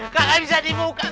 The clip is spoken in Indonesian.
kagak bisa dibuka